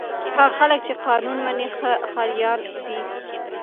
هغه خلک چې قانون مني ښه ښاریان دي.